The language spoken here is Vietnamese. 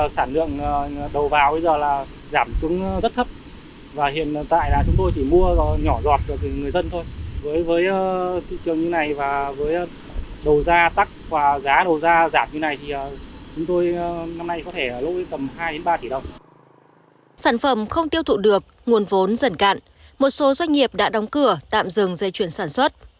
sản phẩm không tiêu thụ được nguồn vốn dần cạn một số doanh nghiệp đã đóng cửa tạm dừng dây chuyển sản phẩm